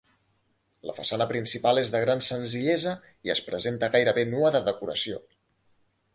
La façana principal és de gran senzillesa i es presenta gairebé nua de decoració.